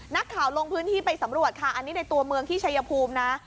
ลงพื้นที่ไปสำรวจค่ะอันนี้ในตัวเมืองที่ชัยภูมินะ